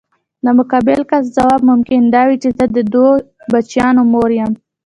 د مقابل کس ځواب ممکن دا وي چې زه د دوه بچیانو مور یم.